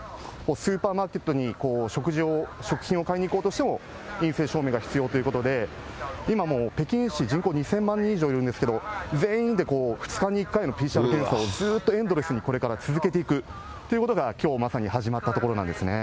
スーパーマーケットに食事を、食品を買いに行こうとしても、陰性証明が必要ということで、今、北京市、人口２０００万人以上いるんですけど、全員で２日に１回のＰＣＲ検査をずっとエンドレスにこれから続けていくということが、きょうまさに始まったところなんですね。